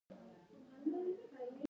په سرپل کي خلک په کرهڼه او مالدري اخته دي.